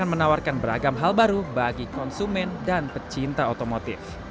menawarkan beragam hal baru bagi konsumen dan pecinta otomotif